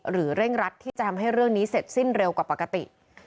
เร่งรัดที่จะทำให้เรื่องนี้เสร็จสิ้นเร็วกว่าปกติ